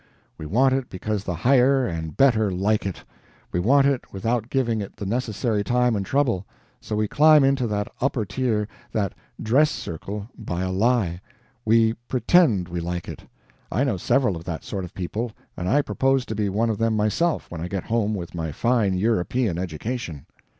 We want it because the higher and better like it. We want it without giving it the necessary time and trouble; so we climb into that upper tier, that dress circle, by a lie; we PRETEND we like it. I know several of that sort of people and I propose to be one of them myself when I get home with my fine European education.